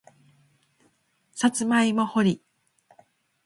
さつまいも掘り